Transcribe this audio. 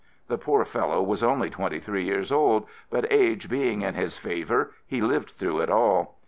The poor fellow was only twenty three years old, but age being in his favor, he lived through it all.